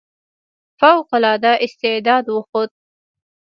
فوق العاده استعداد وښود.